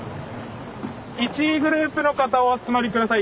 １グループの方お集まり下さい。